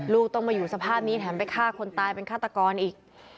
ลูกต้องมาอยู่สภาพนี้แถมไปฆ่าคนตายเป็นฆาตกรอีก